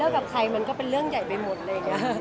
แล้วกับใครมันก็เป็นเรื่องใหญ่ไปหมดเลย